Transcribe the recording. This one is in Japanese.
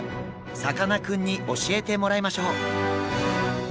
さかなクンに教えてもらいましょう。